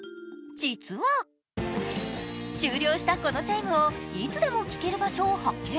実は終了したこのチャイムをいつでも聴ける場所を発見。